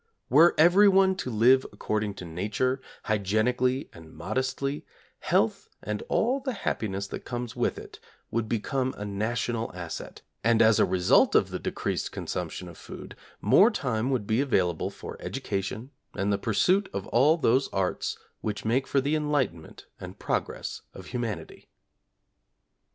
Were everyone to live according to Nature, hygienically and modestly, health, and all the happiness that comes with it, would become a national asset, and as a result of the decreased consumption of food, more time would be available for education, and the pursuit of all those arts which make for the enlightenment and progress of humanity.